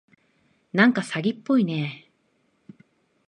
なんか詐欺っぽいね。